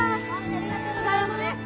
ありがとうございます！